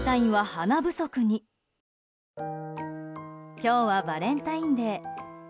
今日はバレンタインデー。